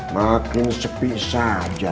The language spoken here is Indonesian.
makin sepi saja